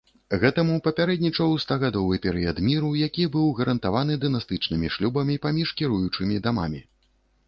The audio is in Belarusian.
Гэтаму папярэднічаў стагадовы перыяд міру, які быў гарантаваны дынастычнымі шлюбамі паміж кіруючымі дамамі.